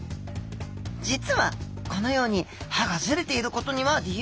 実はこのように歯がズレていることには理由があります。